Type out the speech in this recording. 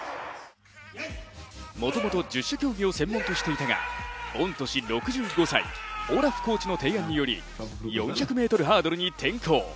もともと十種競技を専門としていたが御年６５歳オラフコーチの提案により４００ｍハードルに転向。